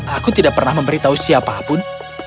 aku tidak pernah memberitahu siapapun